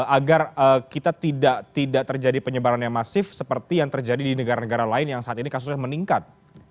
agar kita tidak terjadi penyebaran yang masif seperti yang terjadi di negara negara lain yang saat ini kasusnya meningkat